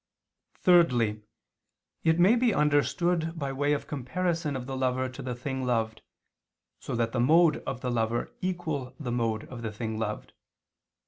Thirdly, it may be understood by way of comparison of the lover to the thing loved, so that the mode of the lover equal the mode of the thing loved.